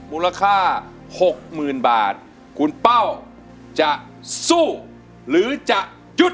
มูลค่า๖๐๐๐บาทคุณเป้าจะสู้หรือจะหยุด